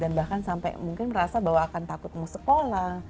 dan bahkan sampai mungkin merasa bahwa akan takut mau sekolah